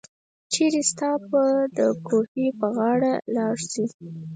چيري ستاه به دکوهي په غاړه لار شي